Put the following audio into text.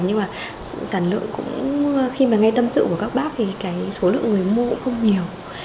sự sản lượng cũng khi mà nghe tâm sự của các bác thì cái số lượng người mua cũng không nhiều